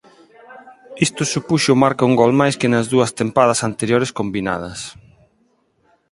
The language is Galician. Isto supuxo marca un gol máis que nas dúas tempadas anteriores combinadas.